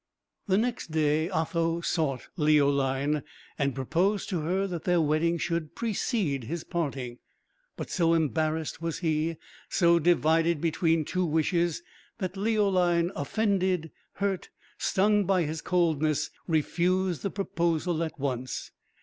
The next day Otho sought Leoline, and proposed to her that their wedding should precede his parting; but so embarrassed was he, so divided between two wishes, that Leoline, offended, hurt, stung by his coldness, refused the proposal at once.